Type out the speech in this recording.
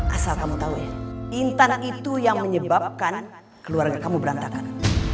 asal kamu tahu ya intan itu yang menyebabkan keluarga kamu berantakan